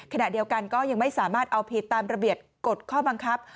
ขณะเดียวกันก็ยังไม่สามารถเอาผิดตามระเบียบกฎข้อบังคับ